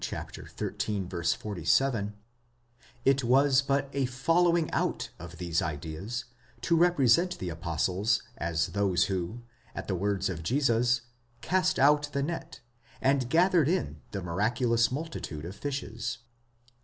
xiii. 47); it was but a following out of these ideas to represent the apostles as those who, at the word of Jesus, cast out the net, and gathered in the miraculous multitude of fishes.